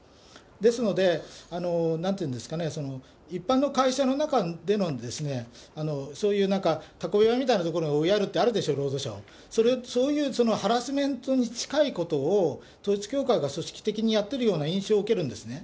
ですので、なんて言うんですかね、一般の会社の中でのそういうたこ部屋みたいな所に追いやられるってあるでしょ、労働者、そういうハラスメントに近いことを統一教会が組織的にやってるような印象を受けるんですね。